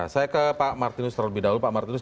saya ke pak martinus terlebih dahulu pak martinus